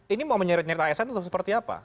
ini mau menyeret nyeret asn itu seperti apa